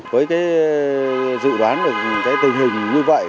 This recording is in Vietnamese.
với dự đoán được tình hình như vậy